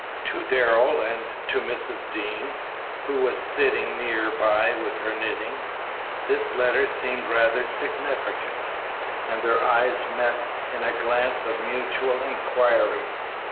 To Darrell and to Mrs. Dean, who was sitting near by with her knitting, this letter seemed rather significant, and their eyes met in a glance of mutual inquiry.